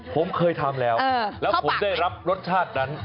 ผมเคยทำแล้วแล้วผมได้รับรสชาตินั้น